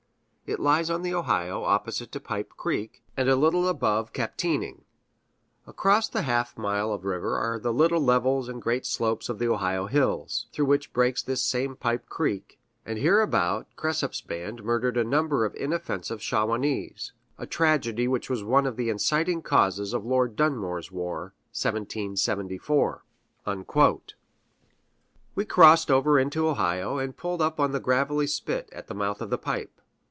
It lyes on the Ohio, opposite to pipe Creek, and a little above Capteening." Across the half mile of river are the little levels and great slopes of the Ohio hills, through which breaks this same Pipe Creek; and hereabout Cresap's band murdered a number of inoffensive Shawanese, a tragedy which was one of the inciting causes of Lord Dunmore's War (1774). We crossed over into Ohio, and pulled up on the gravelly spit at the mouth of Pipe.